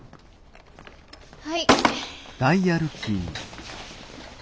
はい。